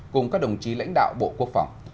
cùng các đồng chí lãnh đạo bộ quốc phòng